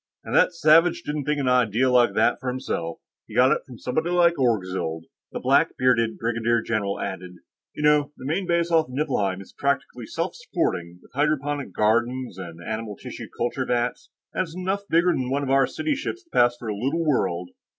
"And that savage didn't think an idea like that up for himself; he got it from somebody like Orgzild," the black bearded brigadier general added. "You know, the main base off Niflheim is practically self supporting, with hydroponic gardens and animal tissue culture vats. And it's enough bigger than one of the City ships to pass for a little world.